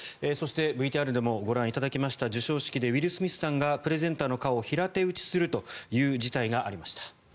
そしてＶＴＲでもご覧いただきました授賞式でウィル・スミスさんがプレゼンターの顔を平手打ちするという事態がありました。